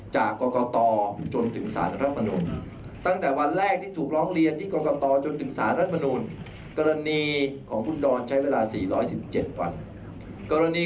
จำนวนวันที่แตกต่างระหว่างสองกรณีนี้